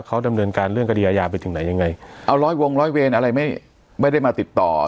เขาดำเนินการเรื่องคดีอาญาไปถึงไหนยังไงเอาร้อยวงร้อยเวรอะไรไม่ไม่ได้มาติดต่อ